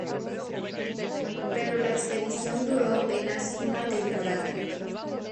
Pero la expedición duró apenas una temporada.